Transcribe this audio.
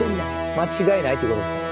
間違いないってことですからね。